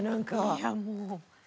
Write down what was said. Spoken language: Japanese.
いやもう。